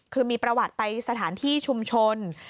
คือมีประวัติไปสถานที่ชุมชน